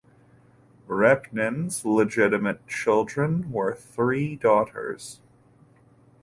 Repnin's legitimate children were three daughters.